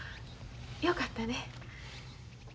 よかったね。